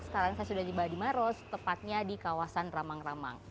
sekarang saya sudah di baros tepatnya di kawasan rambang rambang